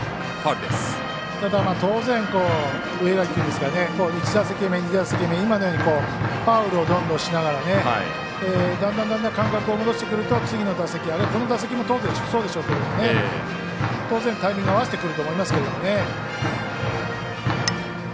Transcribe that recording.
ただ、当然植垣君ですからね１打席目、２打席目、ファウルをどんどんしながらだんだん感覚を戻してくると次の打席はこの打席も当然そうでしょうけど当然タイミングを合わせてくると思いますけれどもね。